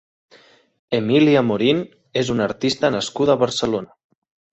Emília Morín és una artista nascuda a Barcelona.